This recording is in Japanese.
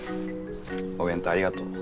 お弁当ありがとう。